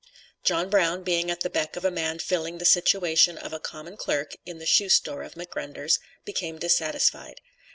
John Brown, being at the beck of a man filling the situation of a common clerk (in the shoe store of McGrunders), became dissatisfied.